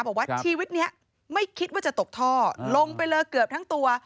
บอกว่าชีวิตนี้ไม่คิดว่าจะตกท่อลงไปเลยเกือบทั้งตัว